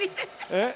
えっ？